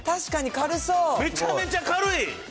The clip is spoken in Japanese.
めちゃめちゃ軽い。